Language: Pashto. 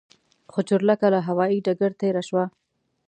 خو چورلکه له هوايي ډګر تېره شوه.